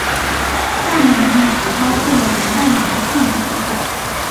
下面的例子包括了源代码和渲染结果。